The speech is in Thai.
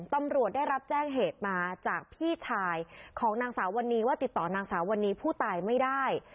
ตำรวจได้รับแจ้งเหตุมาจากพี่ชายของนางสาววันนี้ว่าติดต่อนางสาววันนี้ผู้ตายไม่ได้